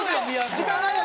時間ないよ